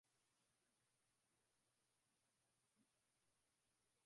lakini watu wengine hawakumtaka Idi Amin